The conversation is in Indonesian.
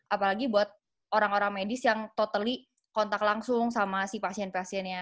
apalagi buat orang orang medis yang totally kontak langsung sama si pasien pasiennya